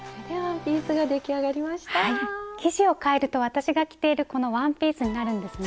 生地を変えると私が着ているこのワンピースになるんですね。